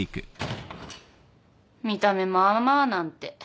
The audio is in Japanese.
見た目まあまあなんて。